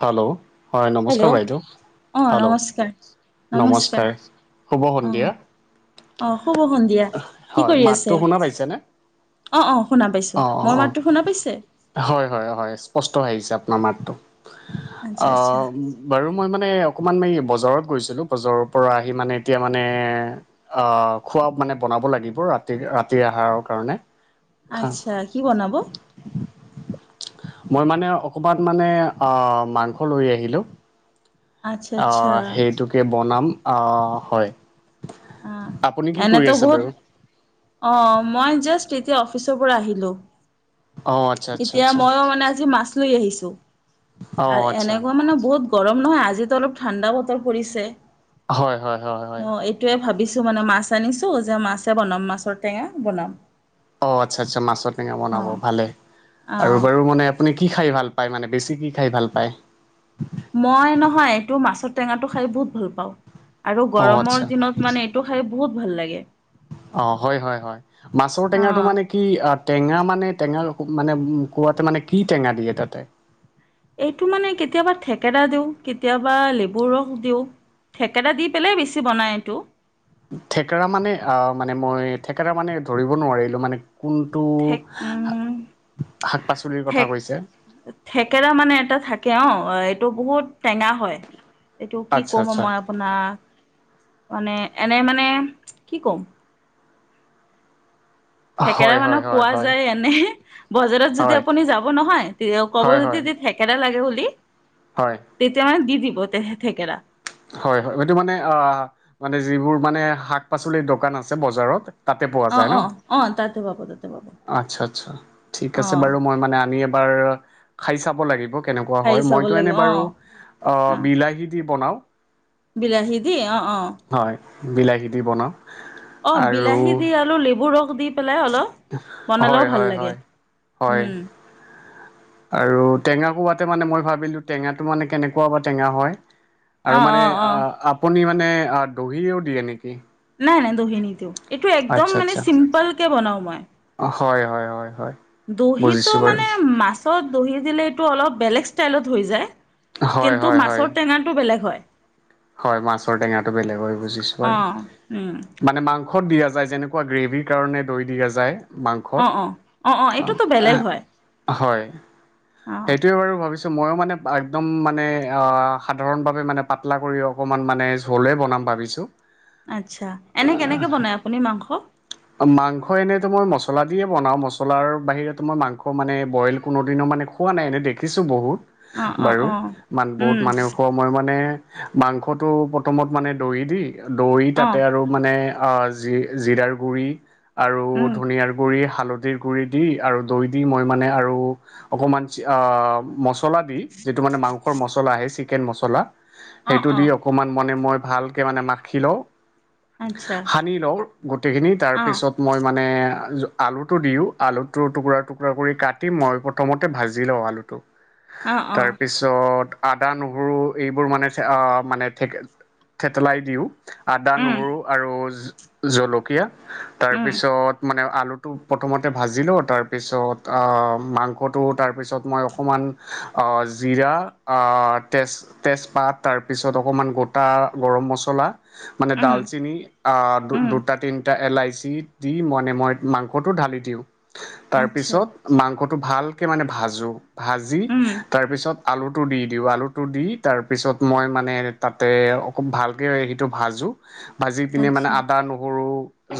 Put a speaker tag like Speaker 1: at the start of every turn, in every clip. Speaker 1: Hello! হয়
Speaker 2: hello!
Speaker 1: নমস্কাৰ বাইদেউ।
Speaker 2: অঁ
Speaker 1: হেল্ল'
Speaker 2: নমস্কাৰ। নমস্কাৰ
Speaker 1: শুভ সন্ধিয়া।
Speaker 2: অঁ। অ, শুভ সন্ধিয়া। কি
Speaker 1: হয়
Speaker 2: কৰি
Speaker 1: মাতটো
Speaker 2: আছে?
Speaker 1: শুনা পাইছেনে?
Speaker 2: অঁ অঁ শুনা পাইছো।
Speaker 1: অঁ অঁ
Speaker 2: মোৰ
Speaker 1: অঁ
Speaker 2: মাতটো শুনা পাইছে?
Speaker 1: হয় হয় হয়, স্পষ্ট আহিছে আপোনাৰ মাতটো।
Speaker 2: আচ্ছা আচ্ছা
Speaker 1: বাৰু মই মানে অকণমান এই বজাৰত গৈছিলোঁ। বজাৰৰ পৰা আহি মানে এতিয়া মানে আহ খোৱা মানে বনাব লাগিব ৰাতি ৰাতি আহাৰৰ কাৰণে।
Speaker 2: আচ্ছা। কি বনাব?
Speaker 1: মই মানে অকণমান মানে আহ মাংস লৈ আহিলোঁ।
Speaker 2: আচ্ছা আচ্ছা
Speaker 1: আহ সেইটোকে বনাম। আহ হয়।
Speaker 2: আহ
Speaker 1: আপুনি কি কৰি
Speaker 2: এনেইতো
Speaker 1: আছে
Speaker 2: বহুত
Speaker 1: বাৰু?
Speaker 2: অঁহ মই জাষ্ট এতিয়া অফিচৰ পৰা আহিলো।
Speaker 1: অঁ আচ্ছা আচ্ছা
Speaker 2: এতিয়া
Speaker 1: আচ্ছা
Speaker 2: মইও মানে আজি মাছ লৈ আহিছো।
Speaker 1: অঁ
Speaker 2: আৰু
Speaker 1: আচ্ছা।
Speaker 2: এনেকুৱা মানে বহুত গৰম নহয় আজিতো অলপ ঠাণ্ডা বতৰ পৰিছে।
Speaker 1: হয় হয় হয় হয়।
Speaker 2: সেইটোয়ে ভাবিছো মানে মাছ আনিছো যে মাছে বনাম মাছৰ টেঙা বনাম।
Speaker 1: অ আচ্ছা আচ্ছা মাছৰ টেঙা
Speaker 2: অ
Speaker 1: বনাব ভালে আৰু
Speaker 2: অ
Speaker 1: বাৰু মানে আপুনি কি খায় ভাল পায়? মানে বেছি কি খায় ভাল পায়?
Speaker 2: মই নহয় এইটো মাছৰ টেঙাটো খায় বহুত ভাল পাওঁ। আৰু
Speaker 1: অ আচ্ছা
Speaker 2: গৰমৰ দিনত মানে এইটো খায় বহুত ভাল লাগে।
Speaker 1: অ হয় হয় হয়। মাছৰ টেঙাটো
Speaker 2: অ',
Speaker 1: মানে কি আ টেঙা মানে টেঙা মানে কোৱাতে মানে কি টেঙা দিয়ে তাতে?
Speaker 2: এইটো মানে কেতিয়াবা থেকেৰা দিওঁ, কেতিয়াবা লেবুৰ ৰস দিওঁ। থেকেৰা দি পেলাই বেছি বনায় এইটো।
Speaker 1: থেকেৰা মানে অ মানে মই থেকেৰা মানে ধৰিব নোৱাৰিলো মানে কোনটো
Speaker 2: থেক উম,
Speaker 1: শাক-পাচলিৰ
Speaker 2: থেক
Speaker 1: কথা কৈছে?
Speaker 2: থেকেৰা মানে এটা থাকে অ, এইটো বহুত টেঙা হয়। এইটো কি
Speaker 1: আচ্ছা
Speaker 2: ক'ম
Speaker 1: আচ্ছা
Speaker 2: মই আপ আপোনাক, মানে এনে মানে কি ক'ম? থেকেৰা
Speaker 1: হয়
Speaker 2: মানে
Speaker 1: হয় হয়
Speaker 2: পোৱা
Speaker 1: হয়
Speaker 2: যায় এনে, বজাৰত যদি
Speaker 1: হয়
Speaker 2: আপুনি যাব নহয় তে ক'ব
Speaker 1: হয় হয়
Speaker 2: যদি দে থে কেৰা লাগে বুলি
Speaker 1: হয়।
Speaker 2: তেতিয়া মানে দি দিব তেহে থেকেৰা।
Speaker 1: হয় হয়। এইটো মানে অ মানে যিবোৰ মানে শাক-পাচলিৰ দোকান আছে বজাৰত তাতে পোৱা
Speaker 2: অ
Speaker 1: যায় ন?
Speaker 2: অ অ তাতে পাব তাতে পাব
Speaker 1: আচ্ছা আচ্ছা ঠিক
Speaker 2: অ
Speaker 1: আছে বাৰু মই মানে আনি এবাৰ খায় চাব লাগিব কেনেকুৱা
Speaker 2: খাই
Speaker 1: হয়,
Speaker 2: চাব
Speaker 1: মইতো এনে
Speaker 2: লাগিব অ
Speaker 1: বাৰু আহ
Speaker 2: অ
Speaker 1: বিলাহী দি বনাও।
Speaker 2: বিলাহী দি? অঁ অঁ।
Speaker 1: হয়, বিলাহী দি বনাওঁ।
Speaker 2: অ
Speaker 1: আৰু
Speaker 2: বিলাহী দি, আৰু লেবুৰ ৰস দি পেলাই অলপ
Speaker 1: হয়
Speaker 2: বনালেও ভাল
Speaker 1: হয়
Speaker 2: লাগে
Speaker 1: হয় হয়
Speaker 2: উম।
Speaker 1: আৰু টেঙা কোবাতে মানে মই ভাবিলোঁ টেঙাটো মানে কেনেকুৱা বা টেঙা হয়।
Speaker 2: অ
Speaker 1: আৰু মানে
Speaker 2: অ অ
Speaker 1: আ আপুনি মানে অঁ দহিও দিয়ে নেকি?
Speaker 2: নাই নাই দহি নিদিওঁ, এইটো একদম
Speaker 1: আচ্ছা
Speaker 2: মানে
Speaker 1: আচ্ছা
Speaker 2: চিম্পল কে বনাওঁ মই।
Speaker 1: হয় হয় হয় হয়।
Speaker 2: দহিটো
Speaker 1: বুজিছোঁ বাৰু
Speaker 2: মানে মাছত দহি দিলে এইটো অলপ বেলেগ ষ্টাইলত হৈ যায়।
Speaker 1: হয়
Speaker 2: কিন্তু
Speaker 1: হয় হয়
Speaker 2: মাছৰ টেঙাটো বেলেগ হয়।
Speaker 1: হয় মাছৰ টেঙাটো বেলেগ হয় বুজিছো
Speaker 2: অ
Speaker 1: বাৰু।
Speaker 2: উম
Speaker 1: মানে মাংস সত দিয়া যায়, যেনেকুৱা গ্ৰেভীৰ কাৰণে দৈ দিয়া যায়। মাংসত
Speaker 2: অ অ অ অ এইটোতো বেলেগ হয়
Speaker 1: হয়,
Speaker 2: অ
Speaker 1: সেইটোৱে বাৰু ভাবিছো মইও মানে একদম মানে অ সাধাৰণ ভাবে মানে পাতলা কৰি অকণমান মানে ঝুলেই বনাম ভাবিছোঁ।
Speaker 2: আচ্ছা এনে কেনেকে বনায় আপুনি মাংস?
Speaker 1: মাংস এনেইতো মই মছলা দিয়ে বনাওঁ মছলাৰ বাহিৰত মই মাংস মানে বইল কোনোদিনৰ মানে খোৱা নাই এনেই দেখিছো বহুত
Speaker 2: অ অ
Speaker 1: বাৰু
Speaker 2: অ
Speaker 1: মান বহুত
Speaker 2: উম
Speaker 1: মানুহে খোৱা মই মানে মাংসটো প্ৰথমত মানে দৈ দি দৈ
Speaker 2: অ
Speaker 1: তাতে আৰু মানে অ জি জিৰাৰ গুৰি আৰু
Speaker 2: উম
Speaker 1: ধনীয়াৰ গুৰি হাল হালধিৰ গুৰি দি আৰু দৈ দি মই মনে আৰু অকমান অ', ম মছলা দি যিটো মানে মাংসৰ মছলা সেই চিকেন মছলা
Speaker 2: অ
Speaker 1: সেইটো
Speaker 2: অ
Speaker 1: দি অকণমান মনে মই ভালকে মানে মাখি লওঁ।
Speaker 2: আচ্ছা
Speaker 1: সানি লওঁ গোটেইখিনি
Speaker 2: অ
Speaker 1: তাৰপিছত মই মানে আলুটো দিওঁ আলুটো টুকুৰা টুকুৰা কৰি কাটি মই প্ৰথমতে ভাজি লওঁ আলুটো,
Speaker 2: অ অ
Speaker 1: তাৰপিছত আদা নহৰু এইবোৰ মানে মানে থে থেতেলাই দিওঁ আদা
Speaker 2: উম
Speaker 1: নহৰু আৰু। জলকীয়া
Speaker 2: উম
Speaker 1: তাৰপিছত মানে আলু। টো প্ৰথমতে ভাজি লও তাৰপিছত আ মাংসটো তাৰপিছত মই অকণমান। অ জিৰা, অহ তেজ তেজপাত। তাৰপিছত অকমান গোটা গৰম মছলা। মানে
Speaker 2: উম
Speaker 1: ডালচিনি।
Speaker 2: উম
Speaker 1: দুটা তিনিটা এলাইচি দি মানে মই মাংসটো ঢালি দিওঁ।
Speaker 2: আচ্ছা
Speaker 1: তাৰপিছত মাংসটো ভালকে মানে ভাজো। ভাজি
Speaker 2: উম
Speaker 1: তাৰপিছত। আলুটো দি দিওঁ আলুটো দি তাৰ পিছত। মই মানে তাতে খুব ভালকে সেইটো ভাজোঁ। ভাজি পিনে মানে
Speaker 2: আচ্ছা
Speaker 1: আদা নহৰু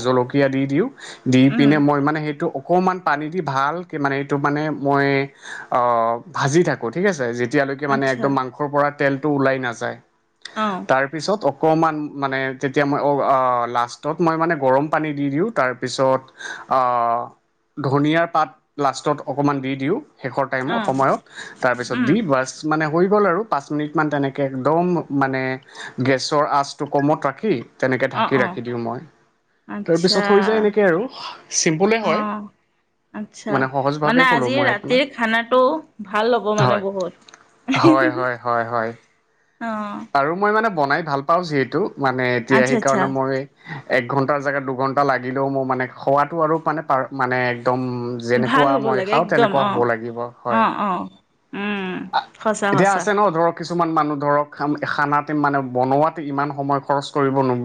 Speaker 1: জলকীয়া দি দিওঁ। দি
Speaker 2: উম
Speaker 1: পিনে মই মানে সেইটো। অকণমান পানী দি ভালকৈ মানে এইটো মানে মই ভাজি থাকোঁ।। থিক আছে যেতিয়ালৈকে মানে
Speaker 2: আচ্ছা
Speaker 1: একদম মাংসৰ পৰা তেলটো ওলাই নাযায়
Speaker 2: অ
Speaker 1: তাৰ। তাৰপিছত অকণমান মানে তেতিয়া মই লাষ্টত মই মানে গৰম পানী দি দিওঁ তাৰপিছত। ধনিয়াৰ পাত লাষ্টত অকণমান দি দিওঁ। শেষৰ
Speaker 2: অ
Speaker 1: টাইমৰ সময়ত তাৰপিছত
Speaker 2: উম
Speaker 1: দি বাছ মানে হৈ গ'ল আৰু পাঁচ মিনিট। ইমান তেনেকে একদম মানে গেছৰ আঁচটো কমত ৰাখি। তেনেকে
Speaker 2: অ
Speaker 1: ঢাকি
Speaker 2: অ
Speaker 1: ৰাখি দিওঁ মই।
Speaker 2: আচ্ছা
Speaker 1: তাৰপিছত হৈ যায় এনেকে আৰু চিম্পুলে
Speaker 2: অ
Speaker 1: হয়।
Speaker 2: আচ্ছা
Speaker 1: মানে
Speaker 2: মানে
Speaker 1: সহজভাৱেই ক'লোঁ
Speaker 2: আজি
Speaker 1: মই আপোনাক
Speaker 2: ৰাতিৰ খানাটো ভাল হ'ব মানে
Speaker 1: হয়
Speaker 2: বহুত।
Speaker 1: হয়, হয়, হয়, হয়।
Speaker 2: অ'।
Speaker 1: আৰু মই মানে বনাই ভাল পাওঁ যিহেতু মানে এতিয়া
Speaker 2: আচ্ছা আচ্ছা
Speaker 1: সেইকাৰণে মই। এক ঘন্টাৰ জেগাত দুঘন্টা লাগিলেও মোৰ মানে খোৱাটো আৰু মানে পাৰ মানে একদম।
Speaker 2: ভাল
Speaker 1: যেনেকুৱা
Speaker 2: হ'ব
Speaker 1: মই
Speaker 2: লাগে
Speaker 1: খাওঁ
Speaker 2: একদম
Speaker 1: তেনেকুৱা হ'ব
Speaker 2: অ
Speaker 1: লাগিব হয়।
Speaker 2: অ', অ', উম,
Speaker 1: আ
Speaker 2: সঁচা
Speaker 1: এতিয়া
Speaker 2: সঁচা
Speaker 1: আছে ন ধৰক কিছুমান মানুহ ধৰক। খাম খানাতে মানে বনোৱাতে ইমান সময় খৰচ কৰিব ন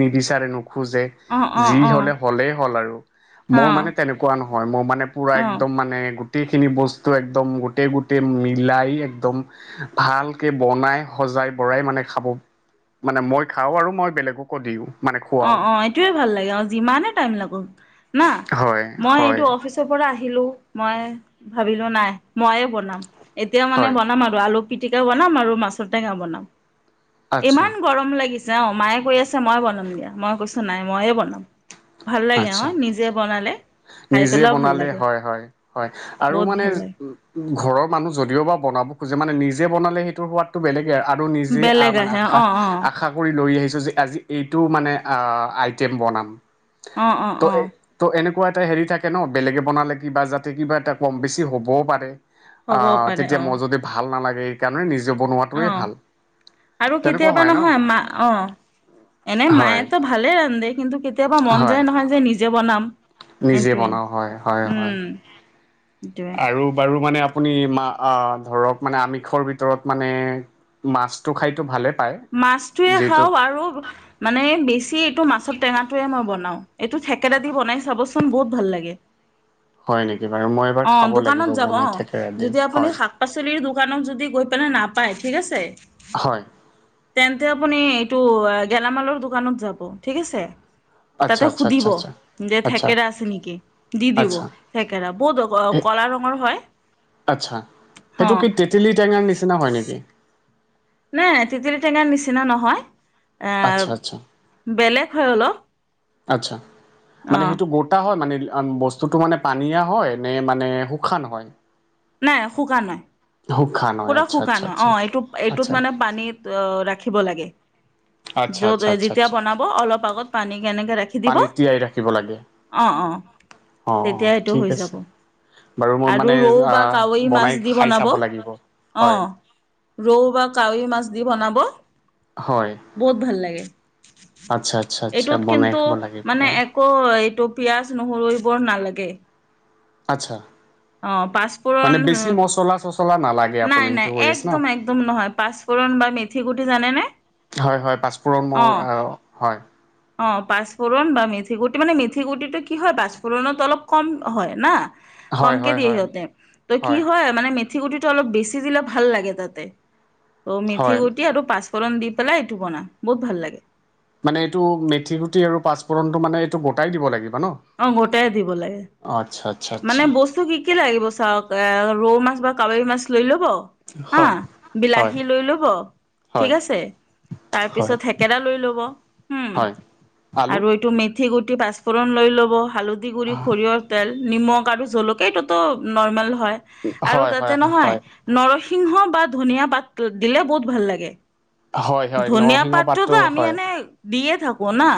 Speaker 1: নিবিচাৰে নোখোজে।
Speaker 2: অ', অ',
Speaker 1: যি
Speaker 2: অ',
Speaker 1: হ'লে কলেই হ'ল আৰু। মোৰ
Speaker 2: অ',
Speaker 1: মানে তেনেকুৱা নহয় মোৰ মানে পুৰা
Speaker 2: অ',
Speaker 1: একদম মানে। গোটেইখিনি বস্তু একদম গোটেই গোটেই মিলাই একদম ভালকে বনাই। সজাই বৰাই মানে খাব মানে মই খাওঁ আৰু মই বেলেগকো দিওঁ মানে খুৱাও।
Speaker 2: সেইটোৱে ভাল লাগে যিমানে টাইম লাগক না
Speaker 1: হয়
Speaker 2: মই এইটো
Speaker 1: হয়
Speaker 2: অফিচ। পৰা আহিলো মই ভাবিলো নাই মইয়ে বনাম এতিয়া মানে
Speaker 1: হয়
Speaker 2: বনাম আৰু। আলু পিটিকাও বনাম আৰু মাছৰ টেঙা বনাম
Speaker 1: আচ্ছা
Speaker 2: ইমান গৰম লাগিছে। যাওঁ মায়ে কৈ আছে মই বনাম দিয়া মই কৈছো নাই ময়ে বনাম ভাল লাগে ন
Speaker 1: আচ্ছা
Speaker 2: নিজ। নিজে বনালে। খাই
Speaker 1: নিজে
Speaker 2: পেলাইও ভাল
Speaker 1: বনালে
Speaker 2: লাগে
Speaker 1: হয়, হয়, হয়, আৰু
Speaker 2: বহুত
Speaker 1: মানে।
Speaker 2: ভাল লাগে
Speaker 1: ঘৰৰ মানুহ যদিও বা বনাব খোজে মানে নিজে বনালে সেইটোৰ সোৱাদ। টো বেলেগে আৰু নিজে
Speaker 2: বেলেগ
Speaker 1: মানে
Speaker 2: আহে
Speaker 1: আশা
Speaker 2: অ', অ',
Speaker 1: আশা। লৈ আহিছো যে আজি এইটো মানে আইটেম বনাম
Speaker 2: অ', অ', অ',
Speaker 1: ত। ত' এনেকুৱা এটা হেৰি থাকে ন বেলেগে বনালে কিবা যাতে কিবা এটা কম বেছি হ'বও পাৰে। অ
Speaker 2: হ'বও পাৰে
Speaker 1: তেতিয়া
Speaker 2: অ',
Speaker 1: মোৰ যদি ভাল নালাগে এই কাৰণে নিজে বনোৱাত।
Speaker 2: অ আৰু কেতিয়াবা
Speaker 1: ন
Speaker 2: নহয় মা অ এনে
Speaker 1: হয়
Speaker 2: মায়েতো। ভালে ৰান্ধে কিন্তু কেতিয়াবা মন
Speaker 1: হয়
Speaker 2: যায় নহয় যে নিজে বনাম।
Speaker 1: নিজে
Speaker 2: সেইটোৱে
Speaker 1: বনাওঁ হয় হয় হয়
Speaker 2: উম সেইটোৱে।
Speaker 1: আৰু বাৰু মানে আপুনি মা অ ধৰক মানে আমিষৰ ভিতৰত মানে মাছটো খাইটো ভালে পায়
Speaker 2: মাছটোৱে
Speaker 1: যিহেতু
Speaker 2: খাওঁ আৰু মানে বেছি এইটো মাছৰ টেঙাটোৱে মই বনাওঁ। এইটো থেকেৰা দি বনাই চাবছোঁন বহুত ভাল লাগে।
Speaker 1: হয় নিকি বাৰু মই এবাৰ
Speaker 2: অ
Speaker 1: খাব লাগিব
Speaker 2: দোকানত যাব
Speaker 1: বনাই
Speaker 2: অ
Speaker 1: থেকেৰা দি
Speaker 2: যদি আপুনি
Speaker 1: হয়
Speaker 2: শাক- পাচলিৰ দোকানক যদি গৈ পেলাই নাপায় ঠিক আছে
Speaker 1: হয়।
Speaker 2: তেন্তে আপুনি এইটো গেলামালৰ দোকানত যাব ঠিক আছে।
Speaker 1: আচ্ছা
Speaker 2: তাতে
Speaker 1: আচ্ছা
Speaker 2: সুধিব
Speaker 1: আচ্ছা আচ্ছা
Speaker 2: যে
Speaker 1: আচ্ছা
Speaker 2: থেকেৰা আছে নিকি দি দিব
Speaker 1: আচ্ছা
Speaker 2: থেকেৰা বৌ দক
Speaker 1: আচ্ছা
Speaker 2: হ
Speaker 1: সেইটো কি তেতেলী টেঙাৰ নিচিনা হয়, নিকি।
Speaker 2: নাই তেতেলী টেঙাৰ নিচিনা নহয়
Speaker 1: আচ্ছা আচ্ছা
Speaker 2: এ বেলেগ হয় অলপ।
Speaker 1: আচ্ছা
Speaker 2: অ
Speaker 1: মানে সেইটো বঔত এটা হয় মানে বস্তুটো মানে পানীয়া হয় নে মানে শুশান হয়।
Speaker 2: নাই শুকা নাই।
Speaker 1: শুশান
Speaker 2: পুৰা শুকান অ এইটো এইটোত মানে পানীত অ ৰাখিব লাগে।
Speaker 1: আচ্ছা
Speaker 2: য'ত
Speaker 1: আচ্ছা আচ্ছা
Speaker 2: যেতিয়া
Speaker 1: আচ্ছা
Speaker 2: বনাব অলপ আগত পানী কেনেকে ৰাখি দিব।
Speaker 1: পানীত তিয়াই ৰাখিব লাগে
Speaker 2: অ অ
Speaker 1: অ অ
Speaker 2: তেতিয়া এইটো
Speaker 1: ঠিক
Speaker 2: হৈ যাব।
Speaker 1: আছে বাৰু মই
Speaker 2: আৰু
Speaker 1: মানে
Speaker 2: ৰৌ বা
Speaker 1: আহ
Speaker 2: কাৱৈ মাছ
Speaker 1: বনাই
Speaker 2: দি
Speaker 1: খাই
Speaker 2: বনাব।
Speaker 1: চাব লাগিব
Speaker 2: অ
Speaker 1: হয়
Speaker 2: ৰৌ বা কাৱৈ মাছ দি বনাব।
Speaker 1: হয়
Speaker 2: বহুত ভাল লাগে
Speaker 1: আচ্ছা আচ্ছা আচ্ছা
Speaker 2: এইটোত
Speaker 1: বনাই
Speaker 2: কিন্তু
Speaker 1: খাব লাগিব
Speaker 2: মানে
Speaker 1: বাৰু
Speaker 2: এক কো এইটো পিয়াজ নহৰু এইবোৰ নালাগে।
Speaker 1: আচ্ছা
Speaker 2: অ', পাঁচফোৰণ
Speaker 1: মানে বেছি মচলা চছলা নালাগ
Speaker 2: নাই নাই একদম একদম নহয় পাঁচফোৰণ বা মিথি গুটি জানে নে
Speaker 1: হয় হয় পাঁচফোৰণ মোৰ অ হয়।
Speaker 2: অ পাঁচফোৰণ বা মিথি গুটি মানে মিথি গুটিটো কি হয় পাচফোৰণত অলপ কম হয় না।
Speaker 1: হয়
Speaker 2: কমকে
Speaker 1: হয়
Speaker 2: দিয়ে
Speaker 1: হয়
Speaker 2: সিহঁতে ত' কি হয় মানে মিথি গুটিটো ওলপ বেছি দিলে ভাল লাগে তাতে। অ মিথি
Speaker 1: হয়
Speaker 2: গুটি আৰু পাচ ফোৰণ দি পেলাই এইটো বনাম বহুত ভাল লাগে।
Speaker 1: মানে এইটো মিথি গুটি আৰু পাঁচফোৰণটো মানে এইটো গোটাই দিব লাগিব ন।
Speaker 2: অ গোটাই দিব লাগে।
Speaker 1: আচ্ছা। আচ্ছা
Speaker 2: মানে
Speaker 1: আচ্ছা
Speaker 2: বস্তু কি কি লাগিব চাওঁক এ ৰৌ মাছ বা কাৱৈ মাছ লৈ ল'ব আ
Speaker 1: হয় হয়
Speaker 2: বিলাহী লৈ ল'ব
Speaker 1: হয়
Speaker 2: ঠিক আছে।
Speaker 1: হয়
Speaker 2: তাৰপিছত থেকেৰা লৈ ল'ব উম
Speaker 1: হয় আলু
Speaker 2: আৰু এইটো মেথ মিথি গুটি পাঁচফোৰণ লৈ ল'ব হালধি গুড়ি সৰিয়হৰ তেল। নিমখ আৰু জলকীয়া এইটোত নৰ্মেল হয় আৰু
Speaker 1: হয়
Speaker 2: তাতে
Speaker 1: হয়
Speaker 2: নহয়
Speaker 1: হয়
Speaker 2: নৰসিংহ বা ধনিয়া পাতটো দিলে বহুত ভাল লাগে।
Speaker 1: হয় হয়
Speaker 2: ধনিয়া
Speaker 1: নৰসিংহ
Speaker 2: পাতটোত
Speaker 1: পাতটো
Speaker 2: আমি
Speaker 1: হয়
Speaker 2: এনেই দিয়ে থাকো না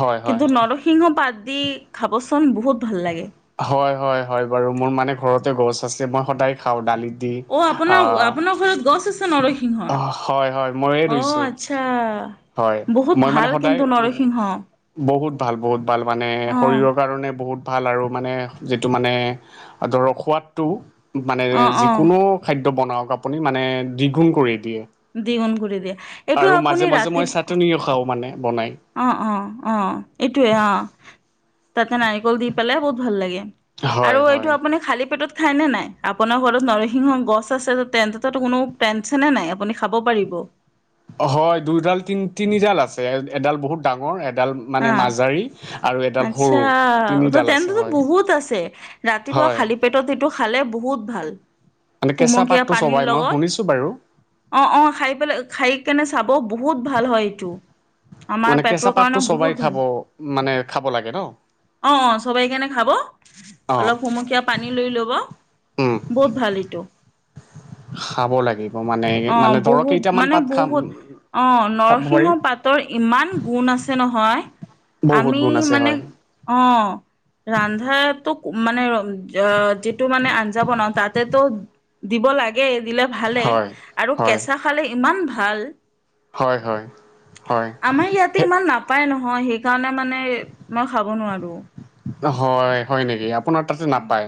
Speaker 1: হয় হয়
Speaker 2: কিন্তু নৰসিংহ পাত দি খাবছোঁন বহুত ভাল লাগে।
Speaker 1: হয় হয় হয় বাৰু মোৰ মানে ঘৰতে গছ আছে মই সদায় খাওঁ ডালিত দি
Speaker 2: অ
Speaker 1: আ
Speaker 2: আপোনাৰ আপোনাৰ ঘৰত গছ আছে নৰসিংহৰ
Speaker 1: হয় হয় ময়ে ৰুইছোঁ
Speaker 2: ছা
Speaker 1: হয় মই মানে সদায় বহুত ভাল বহুত ভাল মানে
Speaker 2: অ
Speaker 1: শৰীৰৰ কাৰণে বহুত ভাল আৰু মানে যিটো মানে ধৰক সোৱাদটো মানে
Speaker 2: অ অ
Speaker 1: যিকোনো খাদ্য বনাওঁক আপুনি মানে দ্বিগুণ কৰি দিয়ে।
Speaker 2: দ্বিগুণ কৰি দিয়ে। এইটো
Speaker 1: আৰু
Speaker 2: আপুনি
Speaker 1: মাজে মাজে
Speaker 2: ৰাতি
Speaker 1: মই চাটনিও খাওঁ মানে বনাই।
Speaker 2: অ অ অ এইটোয়ে অ তাতে নাৰিকল দি পেলাই বহুত ভাল লাগে। আৰু
Speaker 1: হয়
Speaker 2: এইটো
Speaker 1: হয়
Speaker 2: আপুনি খালী পেটত খায়নে নাই আপোনাৰ ঘৰত নৰসিংহ গছ আছে যদি কোনো টেনচনে নাই আপুনি খাব পাৰিব।
Speaker 1: হয় দুডাল তিনি তিনিডাল আছে এডাল বহুত ডাঙৰ এডাল
Speaker 2: হা
Speaker 1: মানে মাজাৰী।
Speaker 2: আচ্ছা ত
Speaker 1: আছে
Speaker 2: তেন্তেতো
Speaker 1: হয়
Speaker 2: বহুত আছে ৰাতিপুৱা
Speaker 1: হয়
Speaker 2: খালী। পেটত সেইটো খালে বহুত ভাল।
Speaker 1: মানে কেঁচা
Speaker 2: কুমকীয়া
Speaker 1: পাতটো
Speaker 2: পানীৰ
Speaker 1: চোবাই মই
Speaker 2: লগত
Speaker 1: শুনিছো বাৰু।
Speaker 2: অ অ খাই পেলাই খাই কেনে চাব বহুত ভাল হয় এইটো। আমাৰ
Speaker 1: মানে
Speaker 2: পেটৰ
Speaker 1: কেঁচা
Speaker 2: কাৰণে
Speaker 1: পাতটো চোবাই
Speaker 2: বহুত ভাল
Speaker 1: খাব মানে খাব লাগে ন
Speaker 2: অ অ চবাই কেনে খাব।
Speaker 1: অঁ
Speaker 2: অলপ হুমকীয়া পানী লৈ লব বহুত ভাল এইটো।
Speaker 1: খাব লাগে।
Speaker 2: অ বহুত মানে বহুত অ
Speaker 1: খাব পাৰি
Speaker 2: নৰসিংহ পাতৰ। ইমান গুণ আছে নহয়
Speaker 1: বহুত
Speaker 2: আমি
Speaker 1: গুণ আছে
Speaker 2: মানে
Speaker 1: হয়
Speaker 2: অ। ৰন্ধাতো মানে আহ যিটো মানে আঞ্জা বনাওঁ তাতেতো। দিব লাগে দিলে ভালে
Speaker 1: হয়
Speaker 2: আৰু
Speaker 1: হয়
Speaker 2: কেঁচা খালে ইমান ভাল।
Speaker 1: হয় হয় হয়।
Speaker 2: আমাৰ ইয়াতে
Speaker 1: সেই
Speaker 2: ইমান নাপায় নহয় সেইকাৰণে মানে মই খাব নোৱাৰো।
Speaker 1: হয় হয় নেকি আপোনাৰ তাতে নাপায়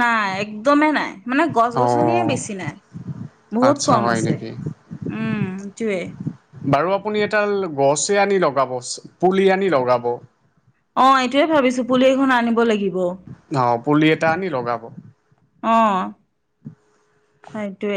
Speaker 2: নাই একদমেই নাই মানে গছ গছনিয়ে
Speaker 1: অঁ
Speaker 2: বেছি নাই। বহুত
Speaker 1: আচ্ছা
Speaker 2: কম
Speaker 1: হয়
Speaker 2: আছে
Speaker 1: নেকি
Speaker 2: উম সেইটোয়ে।
Speaker 1: বাৰু আপুনি এডাল গছে আনি লগাব পুলি আনি লগাব।
Speaker 2: অ এইটোয়ে ভাবিছো পুলি এখন আনিব লাগিব।
Speaker 1: দাও পুলি এটা আনি লগাব।
Speaker 2: অ সেইটোয়ে।